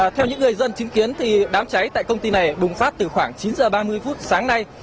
theo những người dân chứng kiến đám cháy tại công ty này bùng phát từ khoảng chín h ba mươi phút sáng nay